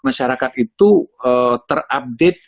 masyarakat itu terupdate